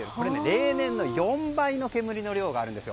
例年の４倍の煙の量があるんです。